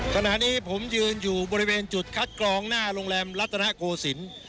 ขณะนี้ผมยืนอยู่บริเวณจุดคัดกรองหน้าโรงแรมรัฐนาโกศิลป์